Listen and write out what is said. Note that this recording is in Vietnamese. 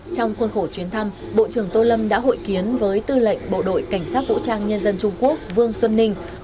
trong khuôn khổ chuyến thăm bộ trưởng tô lâm đã hội kiến với tư lệnh bộ đội cảnh sát vũ trang nhân dân trung quốc vương xuân ninh